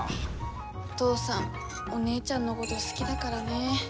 お父さんお姉ちゃんのごど好きだからね。